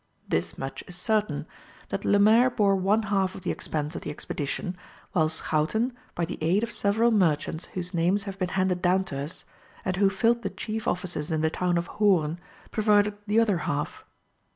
This much is certain, that Lemaire bore one half of the expense of the expedition, while Schouten, by the aid of several merchants whose names have been handed down to us, and who filled the chief offices in the town of Hoorn, provided the other half.